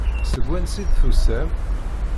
Seg wansi i d-tusam?